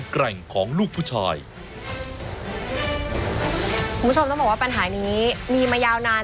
คุณผู้ชมต้องบอกว่าปัญหานี้มีมายาวนาน